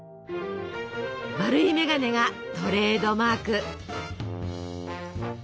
丸い眼鏡がトレードマーク。